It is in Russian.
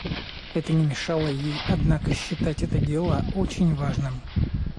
Это не мешало ей однако считать это дело очень важным.